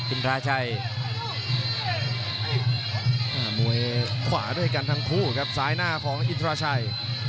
ทราชัยมวยขวาด้วยกันทั้งคู่ครับซ้ายหน้าของอินทราชัย